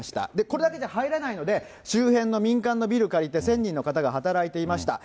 これだけじゃ入らないので、周辺の民間のビル借りて１０００人の方が働いていました。